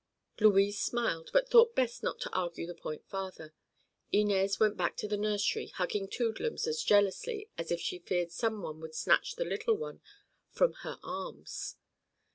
Louise smiled but thought best not to argue the point farther. Inez went back to the nursery hugging Toodlums as jealously as if she feared some one would snatch the little one from her arms.